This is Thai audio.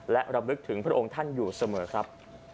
และรำลึกถึงพระองค์ท่านอยู่เสมอครับ